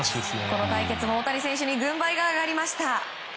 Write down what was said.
この対決も大谷選手に軍配が上がりました。